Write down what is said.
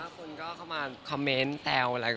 แต่ว่าคุณก็เข้ามาคอมเมนต์แซวอะไร